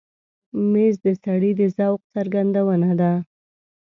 مېز د سړي د ذوق څرګندونه ده.